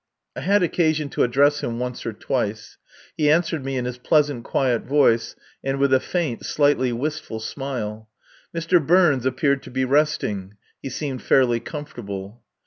I had occasion to address him once or twice. He answered me in his pleasant, quiet voice and with a faint, slightly wistful smile. Mr. Burns appeared to be resting. He seemed fairly comfortable.